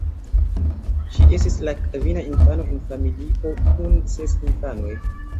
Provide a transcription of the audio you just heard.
Ŝi estis la kvina infano en familio kun ses infanoj.